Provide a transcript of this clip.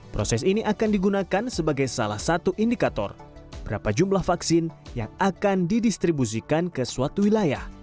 proses ini akan digunakan sebagai salah satu indikator berapa jumlah vaksin yang akan didistribusikan ke suatu wilayah